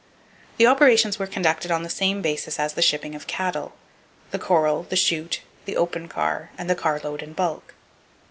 The operations were conducted on the same basis as the shipping of cattle—the corral, the chute, the open car, and the car load in bulk.